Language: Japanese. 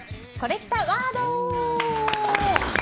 コレきたワード。